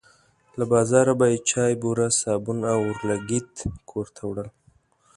له بازاره به یې چای، بوره، صابون او اورلګیت کور ته وړل.